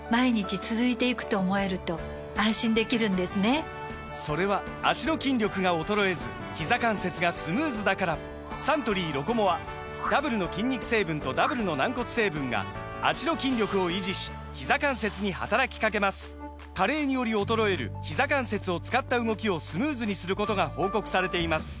サントリー「ロコモア」・それは脚の筋力が衰えずひざ関節がスムーズだからサントリー「ロコモア」ダブルの筋肉成分とダブルの軟骨成分が脚の筋力を維持しひざ関節に働きかけます加齢により衰えるひざ関節を使った動きをスムーズにすることが報告されています